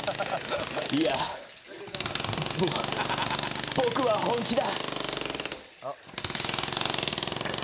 いや、ぼ、僕は本気だ。